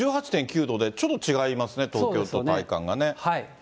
１８．９度で、ちょっと違いますね、東京と体感がね。